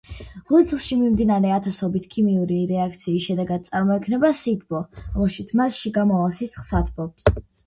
ღვიძლში მიმდინარე ათასობით ქიმიური რეაქციის შედეგად წარმოიქმნება სითბო, რომელიც მასში გამავალ სისხლს ათბობს.